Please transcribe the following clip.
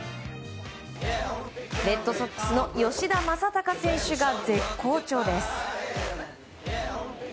レッドソックスの吉田正尚選手が絶好調です。